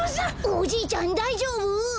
おじいちゃんだいじょうぶ！？